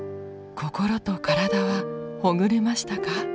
心と体はほぐれましたか？